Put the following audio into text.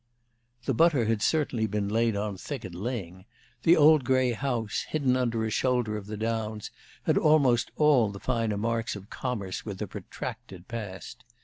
The butter had certainly been laid on thick at Lyng: the old gray house, hidden under a shoulder of the downs, had almost all the finer marks of commerce with a protracted past.